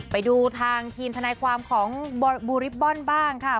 ไปดูทางทีมทนายความของบูริบบอลบ้างค่ะ